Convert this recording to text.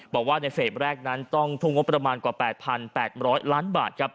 บอกว่าในเฟสแรกนั้นต้องทุ่มงบประมาณกว่า๘๘๐๐ล้านบาทครับ